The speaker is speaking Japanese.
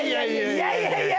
いやいやいや。